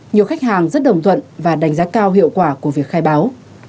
nhiều khách hàng rất đồng thuận và đánh giá cao hiệu quả của việc khai báo